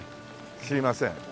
すいません。